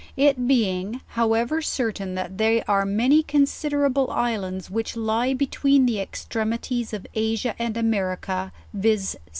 It being, however, certain that they are many considerable islands which lie between the extremities of Asia and Amer ica, viz.